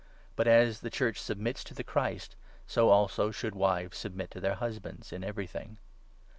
But as the 24 Church submits to the Christ, so also should wives submit to their husbands in everything.